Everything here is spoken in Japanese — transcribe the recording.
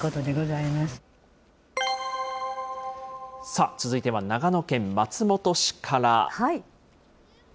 さあ、続いては長野県松本市から。